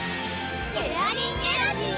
シェアリンエナジー！